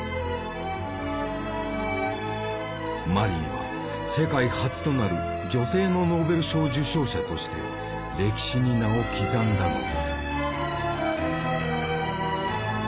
マリーは世界初となる女性のノーベル賞受賞者として歴史に名を刻んだのだ。